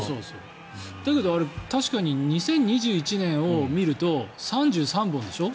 だけど確かに２０２１年を見ると３３本でしょ。